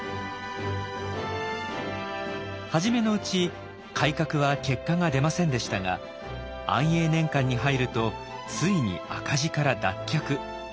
初めのうち改革は結果が出ませんでしたが安永年間に入るとついに赤字から脱却。